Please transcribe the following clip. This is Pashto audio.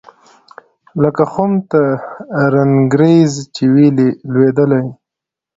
لکه خُم ته د رنګرېز چي وي لوېدلی